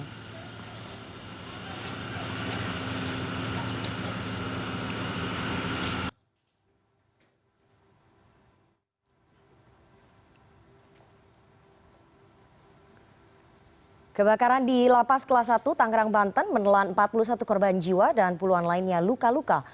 kebakaran di lapas kelas satu tangerang banten menelan empat puluh satu korban jiwa dan puluhan lainnya luka luka